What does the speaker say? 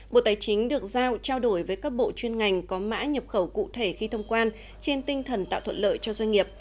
bộ tài chính được giao trao đổi với các bộ chuyên ngành có mã nhập khẩu cụ thể khi thông quan trên tinh thần tạo thuận lợi cho doanh nghiệp